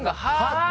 って